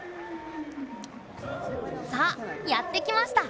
さあ、やってきました